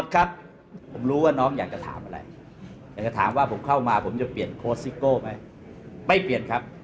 โก้ไหมไม่เปลี่ยนครับ